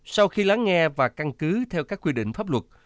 sau khi lắng nghe và căn cứ theo các quy định pháp luật